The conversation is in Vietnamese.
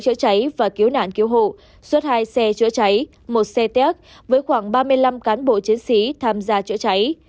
chữa cháy và cứu nạn cứu hộ xuất hai xe chữa cháy một xe téc với khoảng ba mươi năm cán bộ chiến sĩ tham gia chữa cháy